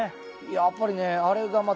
やっぱりねあれがまた聴ける。